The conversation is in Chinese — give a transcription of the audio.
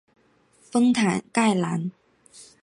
丰坦盖兰。